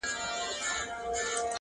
حافظه يې له ذهن نه نه وځي,